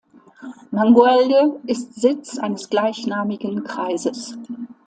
Mangualde ist Sitz eines gleichnamigen Kreises.